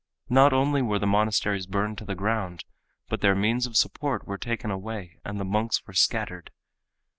Not only were the monasteries burned to the ground, but their means of support were taken away and the monks were scattered.